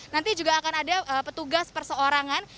nanti juga akan ada petugas perseorangan